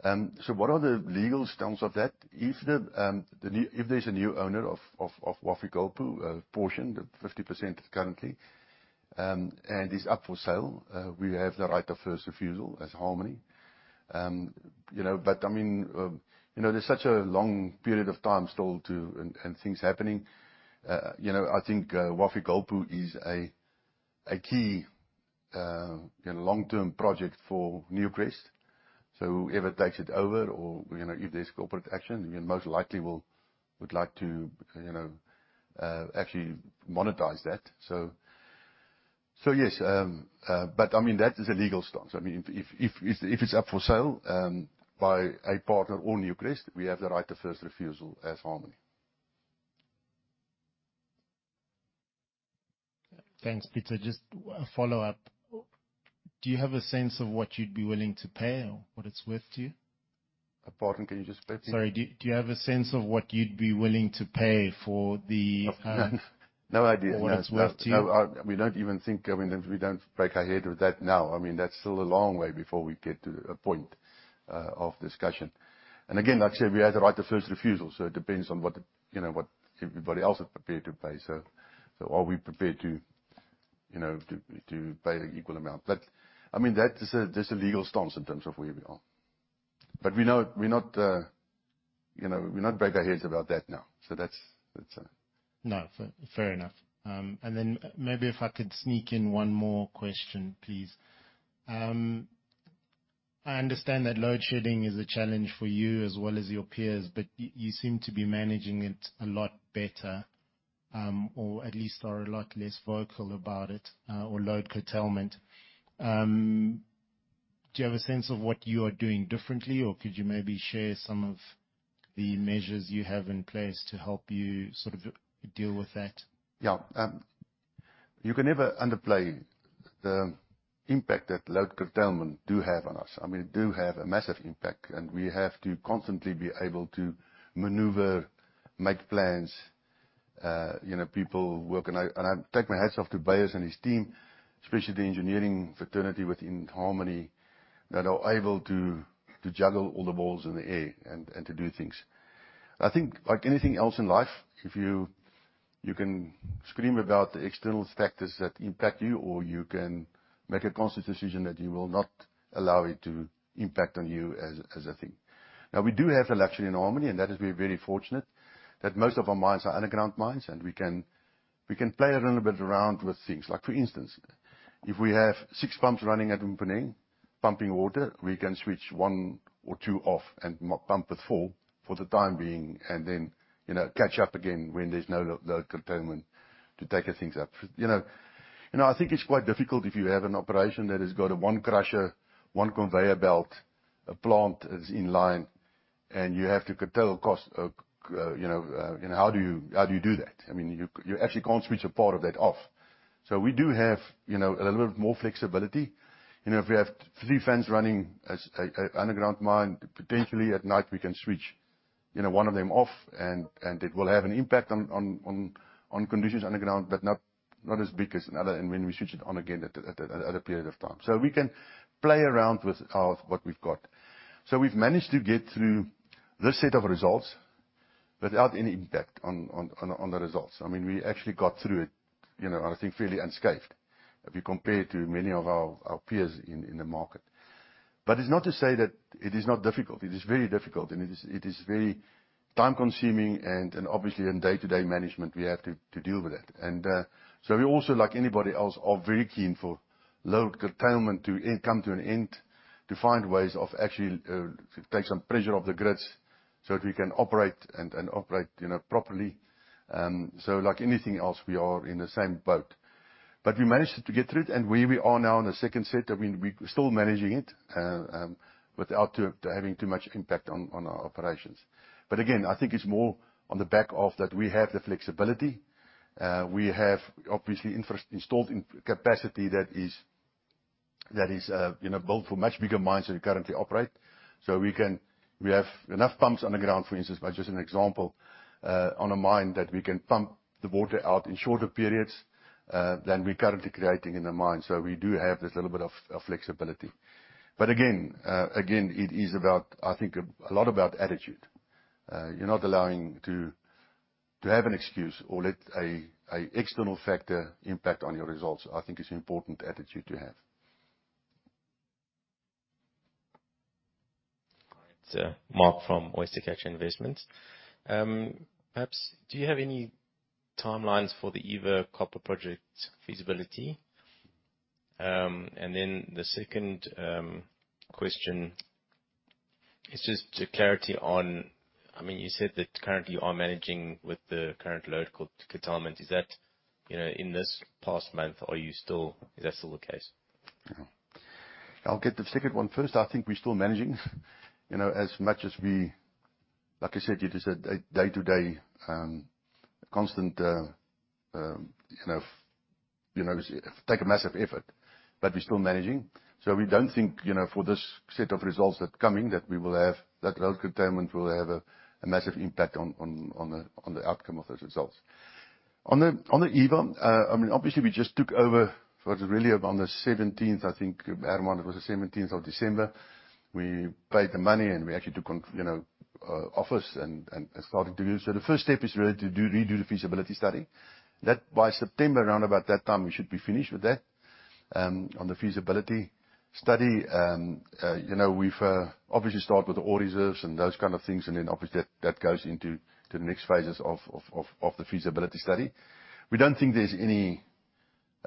S1: What are the legal stance of that? If there's a new owner of Wafi-Golpu, a portion, the 50% currently, and is up for sale, we have the right of first refusal as Harmony. You know, but I mean, you know, there's such a long period of time still to, and things happening. You know, I think, Wafi-Golpu is a key, you know, long-term project for Newcrest. Whoever takes it over or, you know, if there's corporate action, most likely would like to, you know, actually monetize that. Yes. I mean, that is a legal stance. I mean, if it's up for sale, by a partner or Newcrest, we have the right of first refusal as Harmony.
S7: Thanks, Peter. Just a follow-up. Do you have a sense of what you'd be willing to pay or what it's worth to you?
S1: Pardon, can you just repeat?
S7: Sorry. Do you have a sense of what you'd be willing to pay for the?
S1: No. No idea.
S7: What it's worth to you.
S1: No, we don't even think. I mean, we don't break our head with that now. I mean, that's still a long way before we get to a point of discussion. Again, like I said, we have the right of first refusal, so it depends on what, you know, what everybody else is prepared to pay. Are we prepared to, you know, to pay an equal amount. I mean, that is a, that's a legal stance in terms of where we are. We're not, you know, we're not break our heads about that now. That's.
S7: No, fair enough. Maybe if I could sneak in one more question, please? I understand that load shedding is a challenge for you as well as your peers, but you seem to be managing it a lot better, or at least are a lot less vocal about it, or load curtailment. Do you have a sense of what you are doing differently, or could you maybe share some of the measures you have in place to help you sort of deal with that?
S1: Yeah. You can never underplay the impact that load curtailment do have on us. I mean, it do have a massive impact, and we have to constantly be able to maneuver, make plans, you know, people work. And I take my hats off to Beyers and his team, especially the engineering fraternity within Harmony, that are able to juggle all the balls in the air and to do things. I think like anything else in life, if you can scream about the external factors that impact you, or you can make a conscious decision that you will not allow it to impact on you as a thing. We do have a luxury in Harmony, and that is we're very fortunate that most of our mines are underground mines, and we can play a little bit around with things. Like, for instance, if we have six pumps running at Mponeng pumping water, we can switch one or two off and pump with four for the time being, and then, you know, catch up again when there's no load curtailment to take the things up. You know, I think it's quite difficult if you have an operation that has got one crusher, one conveyor belt, a plant is in line, and you have to curtail cost of, you know, how do you do that? I mean, you actually can't switch a part of that off. We do have, you know, a little bit more flexibility. You know, if we have three fans running as a underground mine, potentially at night, we can switch, you know, one of them off and it will have an impact on conditions underground, but not as big as another, and when we switch it on again at a period of time. We can play around with our what we've got. We've managed to get through this set of results. Without any impact on the results. I mean, we actually got through it, you know, I think fairly unscathed if you compare to many of our peers in the market. It's not to say that it is not difficult. It is very difficult and it is very time-consuming and obviously in day-to-day management, we have to deal with it. We also, like anybody else, are very keen for load curtailment to come to an end, to find ways of actually to take some pressure off the grids so that we can operate and operate, you know, properly. Like anything else, we are in the same boat. We managed to get through it, and where we are now in the second set, I mean, we're still managing it without having too much impact on our operations. Again, I think it's more on the back of that we have the flexibility. We have obviously installed capacity that is, you know, built for much bigger mines than we currently operate. We have enough pumps underground, for instance, but just an example, on a mine that we can pump the water out in shorter periods, than we're currently creating in the mine. We do have this little bit of flexibility. Again, again, it is about, I think, a lot about attitude. You're not allowing to have an excuse or let a external factor impact on your results, I think is important attitude to have.
S8: All right. Mark from Oystercatcher Investments. Perhaps do you have any timelines for the Eva Copper project feasibility? The second, question is just clarity on, I mean, you said that currently you are managing with the current load curtailment. Is that, you know, in this past month, are you still, is that still the case?
S1: I'll get the second one first. I think we're still managing. You know, as much as like I said, it is a day-to-day, constant, you know, you know, take a massive effort, but we're still managing. We don't think, you know, for this set of results that coming, that we will have, that load curtailment will have a massive impact on the outcome of those results. On the Eva, I mean, obviously, we just took over what was really on the 17th, I think, Hermann, it was the 17th of December. We paid the money, and we actually took on, you know, office and started to redo the feasibility study. By September, around about that time, we should be finished with that on the feasibility study. You know, we've obviously start with the ore reserves and those kind of things, and then obviously that goes into the next phases of the feasibility study. We don't think there's any,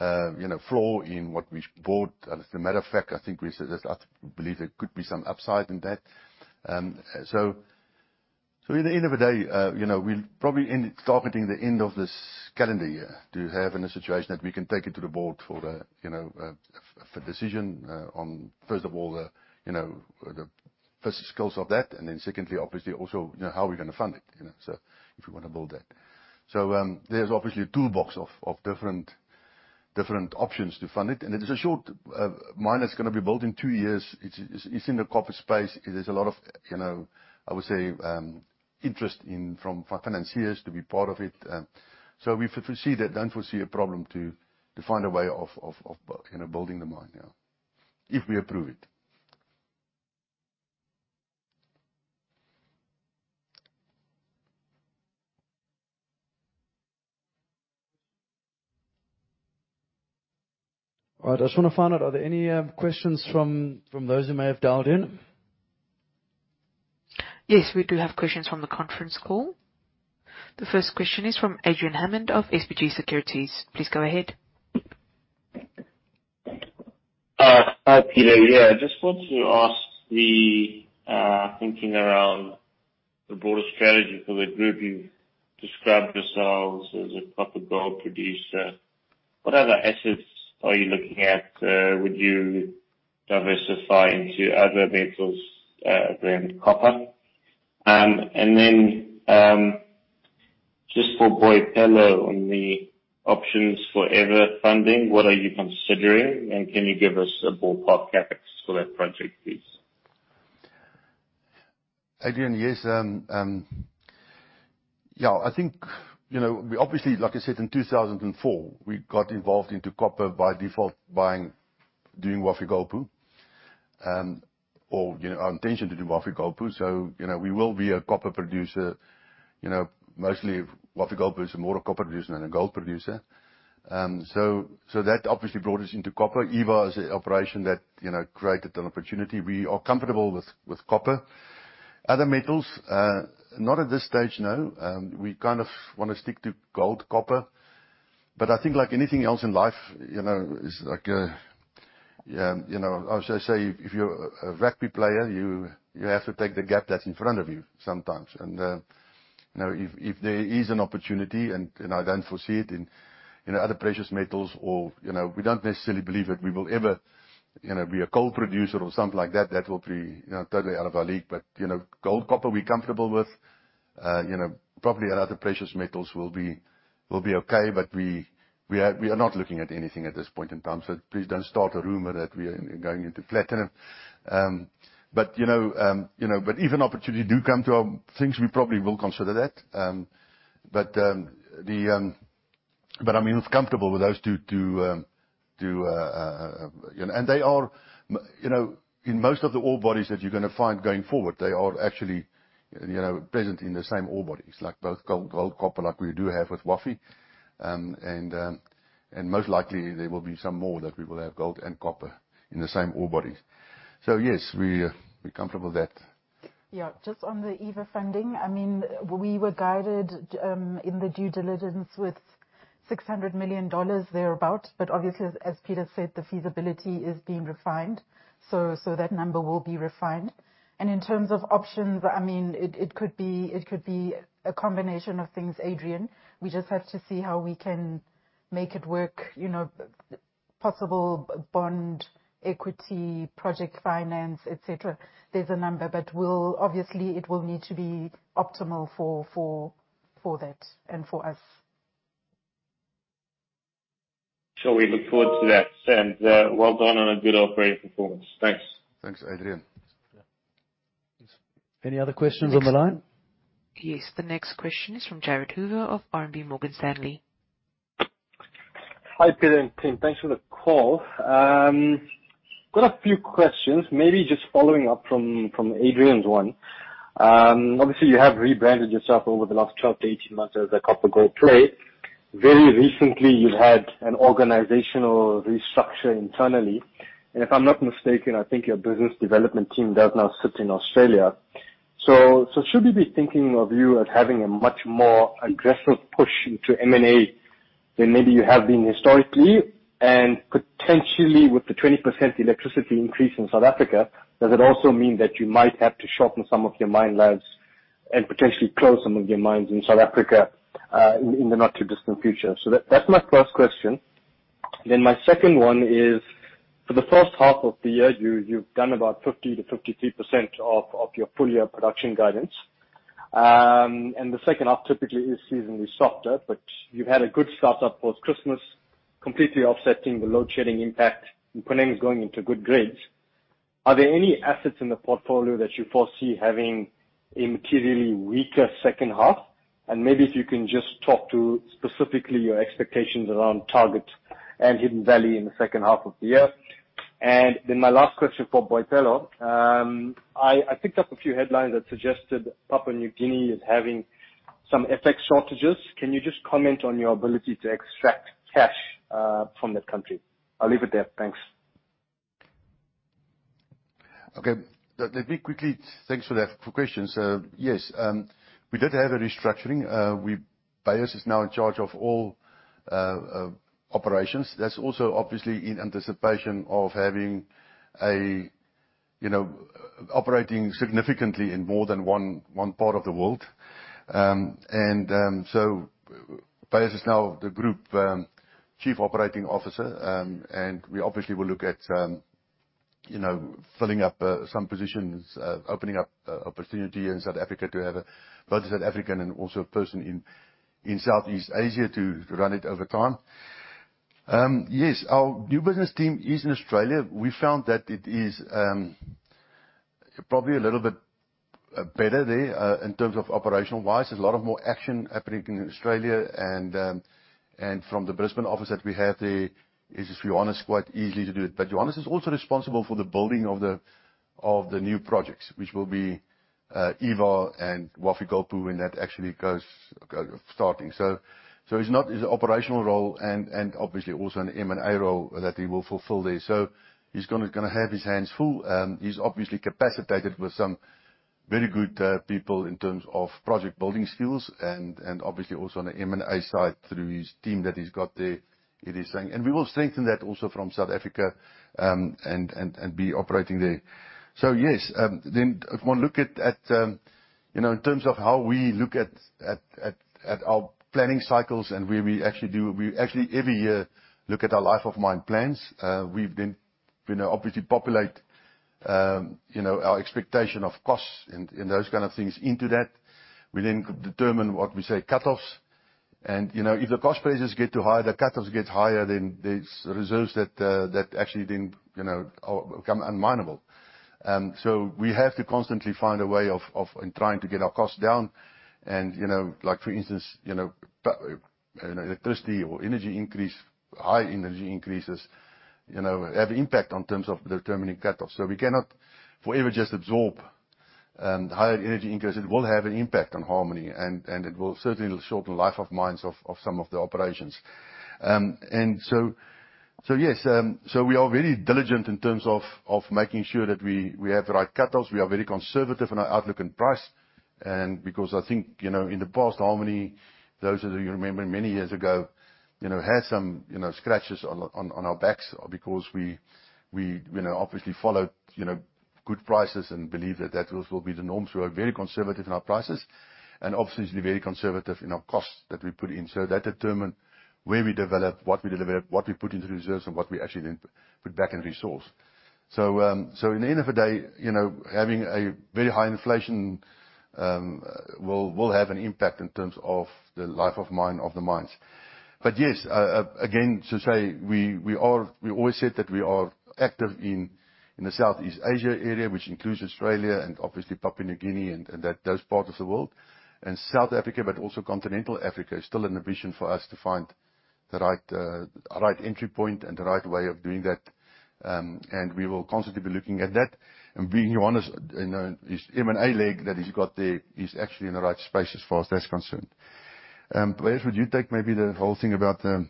S1: you know, flaw in what we bought. As a matter of fact, I think we said this, I believe there could be some upside in that. At the end of the day, you know, we'll probably end targeting the end of this calendar year to have in a situation that we can take it to the Board for the, you know, for decision, on first of all the, you know, the first skills of that, and then secondly, obviously also, you know, how we're gonna fund it, you know, if we wanna build that. There's obviously a toolbox of different options to fund it, and it is a short mine that's gonna be built in two years. It's in the copper space. There's a lot of, you know, I would say, interest in from financiers to be part of it. We foresee that, don't foresee a problem to find a way of you know, building the mine, yeah. If we approve it. All right. I just wanna find out, are there any questions from those who may have dialed in?
S9: Yes, we do have questions from the conference call. The first question is from Adrian Hammond of SBG Securities. Please go ahead.
S10: Hi, Peter. I just want to ask the thinking around the broader strategy for the group. You've described yourselves as a copper gold producer. What other assets are you looking at? Would you diversify into other metals around copper? Just for Boipelo on the options for Eva funding, what are you considering, and can you give us a ballpark CapEx for that project, please?
S1: Adrian, yes. Yeah, I think, you know, we obviously, like I said, in 2004, we got involved into copper by default buying, doing Wafi-Golpu. Our intention to do Wafi-Golpu. We will be a copper producer, you know, mostly Wafi-Golpu is more a copper producer than a gold producer. That obviously brought us into copper. Eva is an operation that, you know, created an opportunity. We are comfortable with copper. Other metals, not at this stage, no. We kind of wanna stick to gold, copper. I think like anything else in life, you know, it's like, you know, I would just say, if you're a rugby player, you have to take the gap that's in front of you sometimes. If there is an opportunity, I don't foresee it in other precious metals or we don't necessarily believe that we will ever be a coal producer or something like that will be totally out of our league. Gold, copper, we're comfortable with. Probably a lot of precious metals will be okay, but we are not looking at anything at this point in time. Please don't start a rumor that we are going into platinum. If an opportunity do come to our things, we probably will consider that. I mean, it's comfortable with those two, you know, and they are, you know, in most of the ore bodies that you're gonna find going forward, they are actually, you know, present in the same ore bodies, like both gold copper, like we do have with Wafi. Most likely there will be some more that we will have gold and copper in the same ore bodies. Yes, we're comfortable with that.
S3: Yeah. Just on the Eva funding, I mean, we were guided in the due diligence with $600 million thereabout. Obviously, as Peter said, the feasibility is being refined, so that number will be refined. In terms of options, I mean, it could be a combination of things, Adrian. We just have to see how we can make it work. You know, possible bond, equity, project finance, et cetera. There's a number, but we'll obviously, it will need to be optimal for that and for us.
S10: We look forward to that. Well done on a good operating performance. Thanks.
S1: Thanks, Adrian.
S4: Any other questions on the line?
S9: Yes. The next question is from Jared Hoover of All Weather Capital.
S11: Hi, Peter and team. Thanks for the call. Got a few questions, maybe just following up from Adrian's one. Obviously, you have rebranded yourself over the last 12-18 months as a copper-gold play. Very recently, you've had an organizational restructure internally, and if I'm not mistaken, I think your business development team does now sit in Australia. Should we be thinking of you as having a much more aggressive push into M&A than maybe you have been historically? Potentially with the 20% electricity increase in South Africa, does it also mean that you might have to shorten some of your mine lives and potentially close some of your mines in South Africa, in the not-too-distant future? That's my first question. My second one is: for the first half of the year, you've done about 50%-53% of your full-year production guidance. The second half typically is seasonally softer, but you've had a good start up post-Christmas, completely offsetting the load shedding impact, Kweneng is going into good grades. Are there any assets in the portfolio that you foresee having a materially weaker second half? Maybe if you can just talk to specifically your expectations around target and Hidden Valley in the second half of the year. My last question for Boipelo. I picked up a few headlines that suggested Papua New Guinea is having some FX shortages. Can you just comment on your ability to extract cash from that country? I'll leave it there. Thanks.
S1: Okay. Thanks for that, for questions. Yes, we did have a restructuring. Beyers is now in charge of all operations. That's also obviously in anticipation of having a, you know, operating significantly in more than one part of the world. Beyers is now the group Chief Operating Officer, and we obviously will look at, you know, filling up some positions, opening up opportunity in South Africa to have a, both South African and also a person in Southeast Asia to run it over time. Yes, our new business team is in Australia. We found that it is probably a little bit better there in terms of operational-wise. There's a lot of more action happening in Australia and, from the Brisbane office that we have there, it's, for Johannes, quite easy to do it. Johannes is also responsible for the building of the new projects, which will be Eva and Wafi-Golpu when that actually goes starting. It's not his operational role and obviously also an M&A role that he will fulfill there. He's gonna have his hands full. He's obviously capacitated with some very good people in terms of project building skills and obviously also on the M&A side through his team that he's got there, it is saying. We will strengthen that also from South Africa and be operating there. Yes, then if one look at, you know, in terms of how we look at our planning cycles and where we actually every year look at our life of mine plans. We then, you know, obviously populate, you know, our expectation of costs and those kind of things into that. We then determine what we say cutoffs. You know, if the cost bases get too high, the cutoffs get higher, then there's reserves that actually then, you know, become unminable. We have to constantly find a way of in trying to get our costs down. You know, like for instance, you know, electricity or energy increase, high energy increases, you know, have impact on terms of determining cutoffs. We cannot forever just absorb, higher energy increase. It will have an impact on Harmony, and it will certainly shorten life of mines of some of the operations. Yes, so we are very diligent in terms of making sure that we have the right cutoffs. We are very conservative in our outlook and price. Because I think, you know, in the past, Harmony, those of you who remember many years ago, you know, had some, you know, scratches on our backs because we, you know, obviously followed, you know, good prices and believe that also will be the norm. We're very conservative in our prices and obviously very conservative in our costs that we put in. That determine where we develop, what we deliver, what we put into reserves, and what we actually then put back in resource. In the end of the day, you know, having a very high inflation, will have an impact in terms of the life of mine, of the mines. Yes, again, to say we are, we always said that we are active in the Southeast Asia area, which includes Australia and obviously Papua New Guinea and that, those parts of the world. South Africa, but also continental Africa is still in the vision for us to find the right entry point and the right way of doing that. We will constantly be looking at that. Being honest, you know, his M&A leg that he's got there is actually in the right space as far as that's concerned. Beyers, would you take maybe the whole thing about the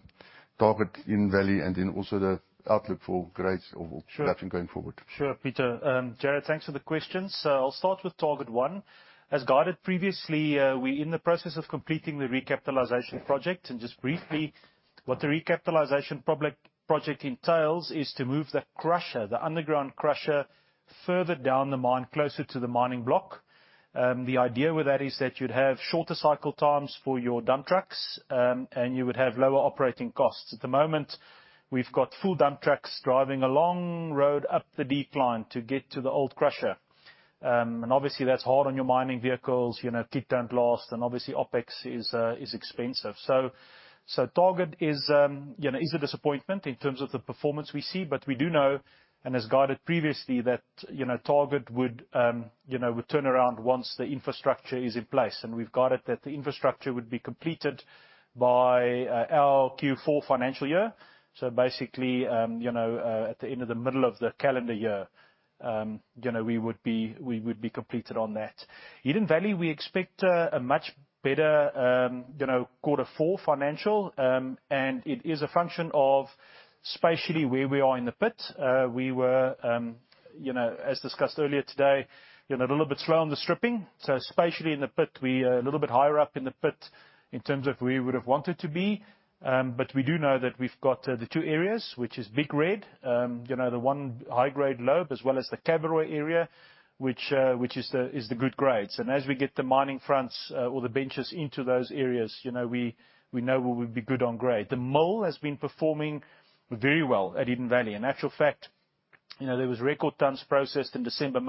S1: target in value and then also the outlook for grades or-.
S2: Sure.
S1: production going forward.
S2: Sure, Peter. Jared, thanks for the question. I'll start with target one. As guided previously, we in the process of completing the recapitalization project. Just briefly, what the recapitalization project entails is to move the crusher, the underground crusher, further down the mine, closer to the mining block. The idea with that is that you'd have shorter cycle times for your dump trucks, and you would have lower operating costs. At the moment, we've got full dump trucks driving a long road up the decline to get to the old crusher. Obviously that's hard on your mining vehicles, you know, tip don't last and obviously opex is expensive. Target is, you know, is a disappointment in terms of the performance we see, but we do know, and as guided previously, that, you know, Target would, you know, would turn around once the infrastructure is in place. We've got it that the infrastructure would be completed by our Q4 financial year. Basically, you know, at the end of the middle of the calendar year, you know, we would be completed on that. Hidden Valley, we expect a much better, you know, quarter four financial. It is a function of spatially where we are in the pit. We were, you know, as discussed earlier today, you know, a little bit slow on the stripping. Spatially in the pit, we a little bit higher up in the pit in terms of we would have wanted to be. But we do know that we've got the two areas, which is Big Red, you know, the one high grade lobe, as well as the Kaveroi area, which is the good grades. As we get the mining fronts, or the benches into those areas, you know, we know we will be good on grade. The mole has been performing very well at Hidden Valley. In actual fact, you know, there was record tons processed in December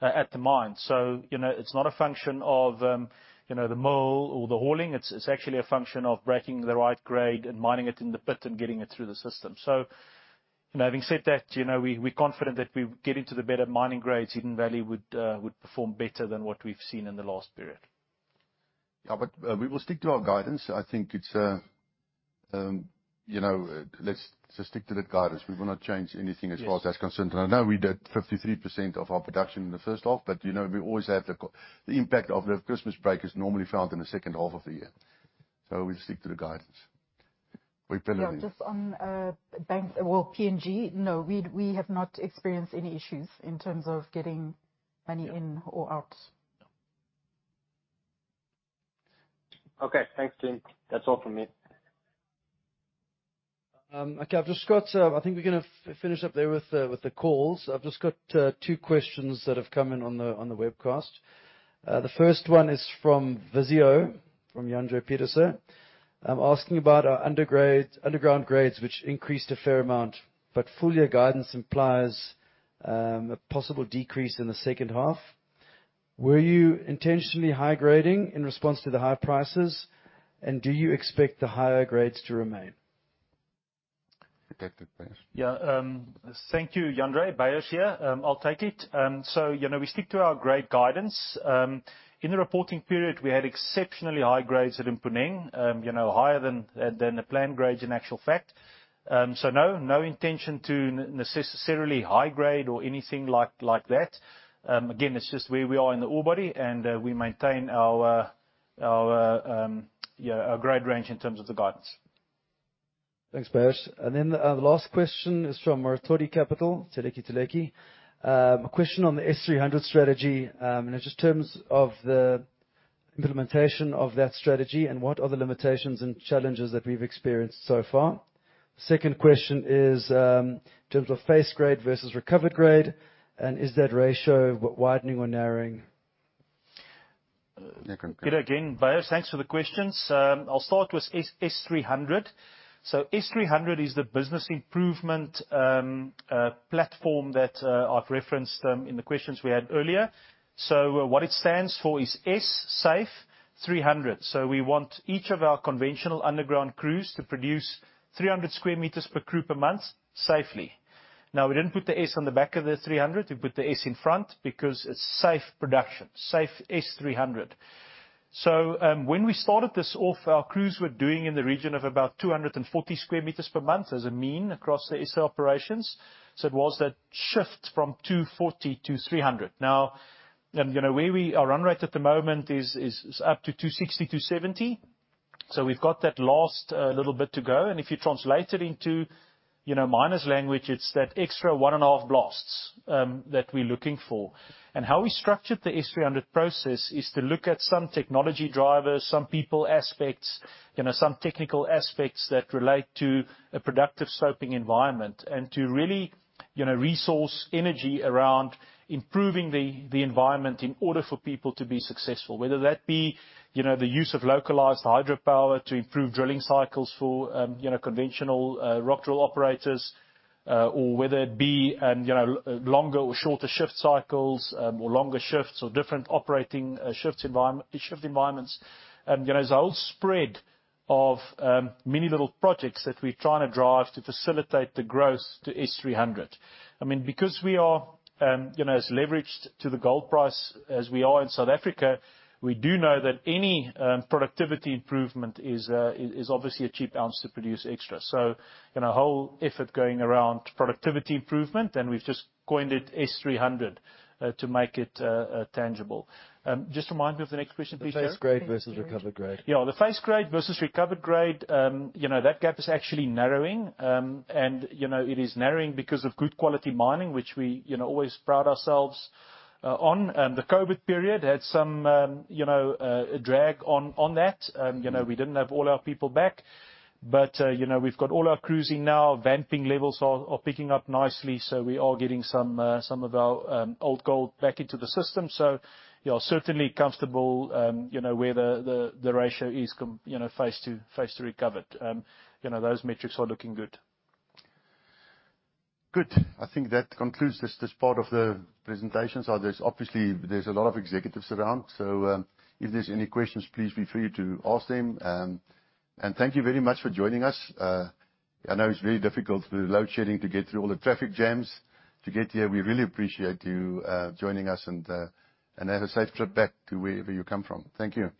S2: at the mine. You know, it's not a function of, you know, the mole or the hauling. It's actually a function of breaking the right grade and mining it in the pit and getting it through the system. you know, having said that, you know, we confident that we're getting to the better mining grades, Hidden Valley would perform better than what we've seen in the last period.
S1: Yeah, we will stick to our guidance. I think it's, you know, let's just stick to that guidance. We will not change anything.
S2: Yes.
S1: As far as that's concerned. I know we did 53% of our production in the first half, you know, we always have the impact of the Christmas break is normally felt in the second half of the year. We'll stick to the guidance. We believe.
S3: Yeah, just on banks, well, PNG, no, we have not experienced any issues in terms of getting money in or out.
S1: No.
S2: Okay. Thanks, team. That's all from me.
S4: Okay. I've just got, I think we're gonna finish up there with the calls. I've just got two questions that have come in on the webcast. The first one is from Visio, from Yandre Peterson, asking about our underground grades, which increased a fair amount. Full year guidance implies a possible decrease in the second half. Were you intentionally high grading in response to the high prices, and do you expect the higher grades to remain?
S1: Take that, Beyers.
S2: Yeah. Thank you, Yandre. Beyers here. I'll take it. You know, we stick to our grade guidance. In the reporting period, we had exceptionally high grades at Mponeng, you know, higher than the planned grades in actual fact. No, no intention to necessarily high grade or anything like that. Again, it's just where we are in the ore body, and we maintain our, you know, our grade range in terms of the guidance.
S4: Thanks, Beyers. The last question is from Merathodi Capital, Telleki Telleki. A question on the S300 strategy, and it's just terms of the implementation of that strategy and what are the limitations and challenges that we've experienced so far. Second question is, in terms of face grade versus recovered grade, and is that ratio widening or narrowing?
S1: Yeah, go on.
S2: Peter again, Beyers. Thanks for the questions. I'll start with S300. S300 is the business improvement platform that I've referenced in the questions we had earlier. What it stands for is S, safe, 300. We want each of our conventional underground crews to produce 300 square meters per crew per month safely. We didn't put the S on the back of the 300, we put the S in front because it's safe production, safe S300. When we started this off, our crews were doing in the region of about 240 square meters per month as a mean across the SA operations. It was that shift from 240 to 300. You know, where we are run rate at the moment is up to 260, 270. We've got that last little bit to go. If you translate it into, you know, miner's language, it's that extra one and a half blasts that we're looking for. How we structured the S300 process is to look at some technology drivers, some people aspects, you know, some technical aspects that relate to a productive sloping environment, and to really, you know, resource energy around improving the environment in order for people to be successful. Whether that be, you know, the use of localized hydropower to improve drilling cycles for, you know, conventional rock drill operators, or whether it be, you know, longer or shorter shift cycles, or longer shifts or different operating shift environments. You know, it's a whole spread of many little projects that we're trying to drive to facilitate the growth to S300. I mean, because we are, you know, as leveraged to the gold price as we are in South Africa, we do know that any productivity improvement is obviously a cheap ounce to produce extra. You know, whole effort going around productivity improvement, and we've just coined it S300 to make it tangible. Just remind me of the next question, please.
S4: The face grade versus recovered grade.
S3: Face grade.
S2: Yeah. The face grade versus recovered grade, you know, that gap is actually narrowing. You know, it is narrowing because of good quality mining, which we, you know, always proud ourselves on. The COVID period had some, you know, drag on that. You know, we didn't have all our people back, but, you know, we've got all our crews in now. Vamping levels are picking up nicely, so we are getting some of our old gold back into the system. You know, certainly comfortable, you know, where the ratio is. You know, face to recovered. You know, those metrics are looking good.
S1: Good. I think that concludes this part of the presentation. There's obviously there's a lot of executives around. If there's any questions, please feel free to ask them. Thank you very much for joining us. I know it's very difficult with the load shedding to get through all the traffic jams to get here. We really appreciate you joining us and have a safe trip back to wherever you come from. Thank you.